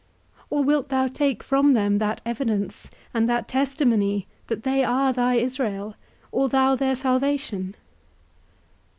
or wilt thou take from them that evidence, and that testimony that they are thy Israel, or thou their salvation?